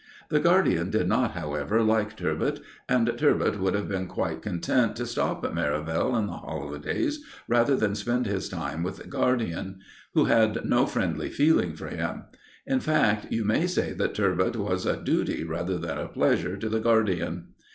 The guardian did not, however, like "Turbot," and "Turbot" would have been quite content to stop at Merivale in the holidays, rather than spend his time with the guardian, who had no friendly feeling for him. In fact, you may say that "Turbot" was a duty rather than a pleasure to the guardian.